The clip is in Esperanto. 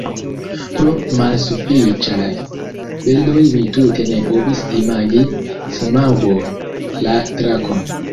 Pro malsufiĉaj bildoj mi tute ne povis imagi Smaŭgon, la drakon.